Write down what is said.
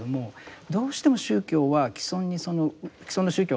どうしても宗教は既存の宗教がですね